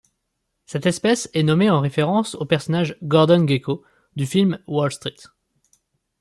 Cette espèce est nommée en référence au personnage Gordon Gekko du film Wall Street.